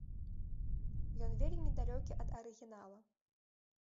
Ён вельмі далёкі ад арыгінала.